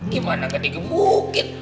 gimana gak dikebukin